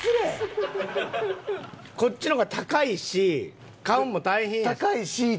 こっちのが高いし買うんも大変やし。